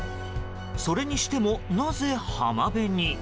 それにしても、なぜ浜辺に？